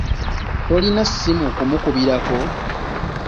Tolina ssimu kumukubirako?